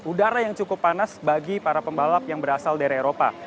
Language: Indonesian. udara yang cukup panas bagi para pembalap yang berasal dari eropa